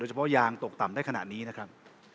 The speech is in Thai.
เฉพาะยางตกต่ำได้ขนาดนี้นะครับ